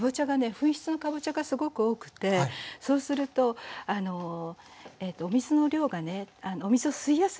粉質のかぼちゃがすごく多くてそうするとお水の量がねお水を吸いやすいんですね。